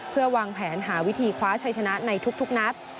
เพื่อวางแผนหาวิธีคว้าชัยชนะในทุกนัด